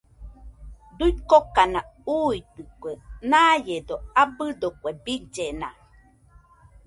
Kuikokana uitɨkue, naiedo abɨdo kue billena